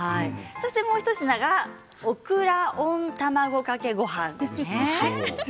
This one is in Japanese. もう一品がオクラ温卵かけごはんです。